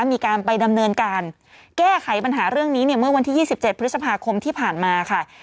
มีการไปดำเนินการแก้ไขปัญหาเรื่องนี้เนี่ยเมื่อวันที่๒๗พฤษภาคมที่ผ่านมาค่ะ